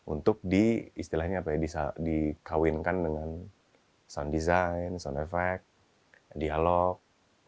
untuk diistilahkan dikawinkan dengan sound design sound effect dialog